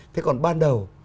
thế còn ban đầu